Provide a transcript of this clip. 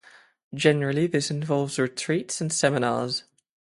Generally this involves retreats and seminars.